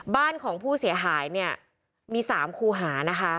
บ้านของผู้เสียหายเนี่ยมี๓คูหานะคะ